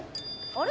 あれ？